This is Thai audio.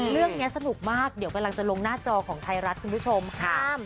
เรื่องนี้สนุกมากเดี๋ยวกำลังจะลงหน้าจอของไทยรัฐคุณผู้ชมห้าม